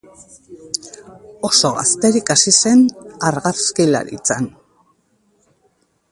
Oso gazterik hasi zen argazkilaritzan.